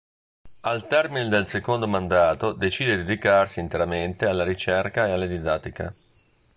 Al termine del secondo mandato decide di dedicarsi interamente alla ricerca e alla didattica.